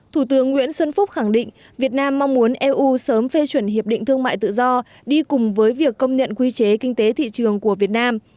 thủ tướng nguyễn xuân phúc khẳng định việt nam mong muốn eu sớm phê chuẩn hiệp định thương mại tự do đi cùng với việc công nhận quy chế kinh tế thị trường của việt nam